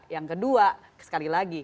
yang kedua sekali lagi